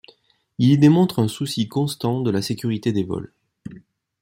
Il y démontre un souci constant de la sécurité des vols.